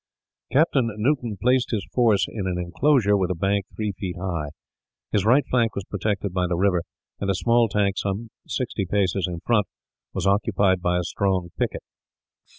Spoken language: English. Captain Noton placed his force in an enclosure, with a bank three feet high. His right flank was protected by the river; and a small tank, some sixty paces in front, was occupied by a strong picket.